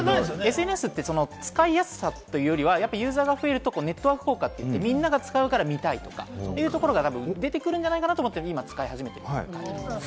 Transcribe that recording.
ＳＮＳって使いやすさというよりユーザーが増えるとネットワーク効果って言ってみんなが使うから見たいというところが出てくるんじゃないかなと思って使い始めてます。